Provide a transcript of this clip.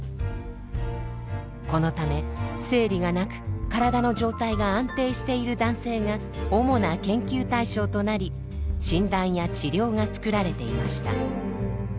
このため生理がなく体の状態が安定している男性が主な研究対象となり診断や治療が作られていました。